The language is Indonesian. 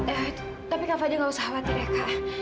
eh tapi kak fadil gak usah khawatir ya kak